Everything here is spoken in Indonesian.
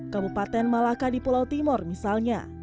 kabupaten malaka di pulau timur misalnya